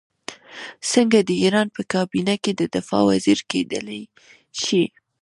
څنګه د ایران په کابینه کې د دفاع وزیر کېدلای شي.